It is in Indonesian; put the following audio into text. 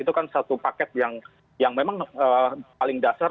itu kan satu paket yang memang paling dasar